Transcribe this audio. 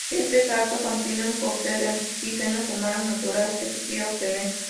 Este extracto contiene un cóctel de antígenos humanos naturales que se quiere obtener.